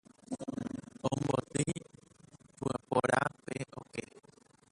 Omboty porã pe okẽ